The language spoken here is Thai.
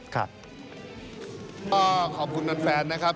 ขอบคุณแฟนนะครับ